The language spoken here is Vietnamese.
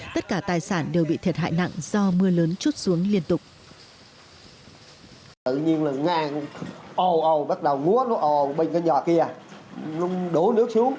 tất cả tài sản đều bị thiệt hại nặng do mưa lớn chút xuống liên tục